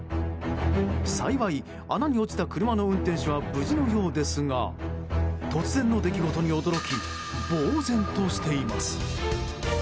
幸い、穴に落ちた車の運転手は無事のようですが突然の出来事に驚きぼうぜんとしています。